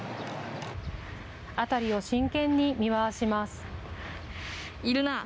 辺りを真剣に見回します。